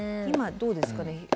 今どうですかね？